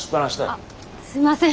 あっすいません。